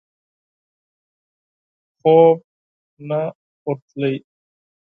خوب نه ورته.